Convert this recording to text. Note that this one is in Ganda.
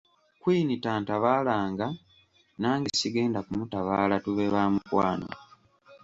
Queen tantabaalanga, nange sigenda kumutabaala, tube ba mukwano.